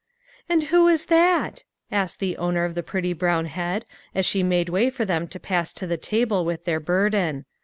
"And who is that?" asked the owner of the pretty brown head, as she made way for them to pass to the table with their burden.